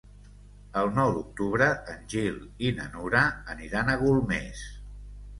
El nou d'octubre en Gil i na Nura aniran a Golmés.